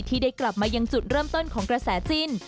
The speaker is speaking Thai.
ที่ได้กลับมายังจุดเริ่มต้นของกระแสจิ้น